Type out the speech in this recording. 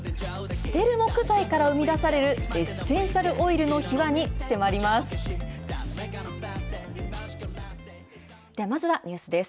捨てる木材から生み出されるエッセンシャルオイルの秘話に迫ります。